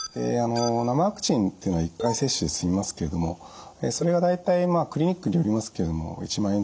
生ワクチンっていうのは１回接種で済みますけれどもそれが大体クリニックによりますけれども１万円程度。